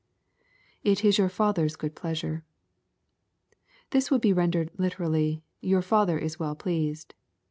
[Jt is your Father's good pleasure.] This would be rendered literally, " Your Father is well pleased."